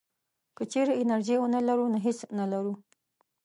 که چېرې انرژي ونه لرو نو هېڅ نه لرو.